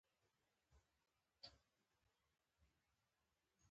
د هر حکومت ورانېدل د اصولو له پرېښودلو پیل کېږي.